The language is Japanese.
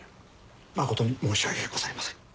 誠に申し訳ございません。